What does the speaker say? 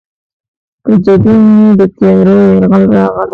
په جبین مې د تیارو یرغل راغلی